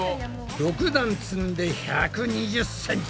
６段積んで１２０ｃｍ。